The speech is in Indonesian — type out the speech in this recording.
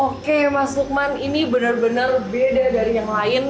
oke mas lukman ini benar benar beda dari yang lain